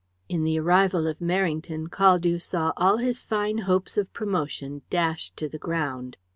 In the arrival of Merrington, Caldew saw all his fine hopes of promotion dashed to the ground.